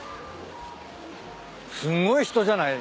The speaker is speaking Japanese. すごい人じゃない？